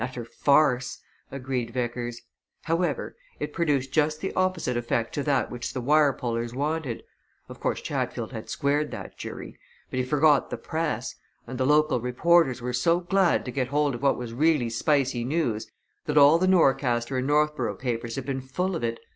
"Oh, an utter farce!" agreed Vickers. "However, it produced just the opposite effect to that which the wire pullers wanted. Of course, Chatfield had squared that jury! But he forgot the press and the local reporters were so glad to get hold of what was really spicy news that all the Norcaster and Northborough papers have been full of it.